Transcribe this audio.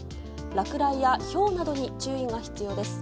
落雷や、ひょうなどに注意が必要です。